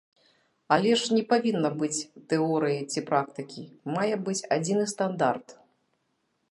Але ж не павінна быць тэорыі ці практыкі, мае быць адзіны стандарт!